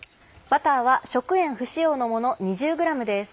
バターは食塩不使用のもの２０ｇです。